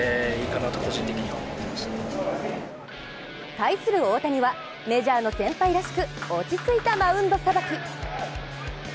対する大谷は、メジャーの先輩らしく落ち着いたマウンドさばき。